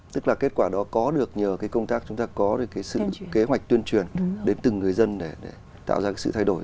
tức là kết quả đó có được nhờ cái công tác chúng ta có được sự kế hoạch tuyên truyền đến từng người dân để tạo ra sự thay đổi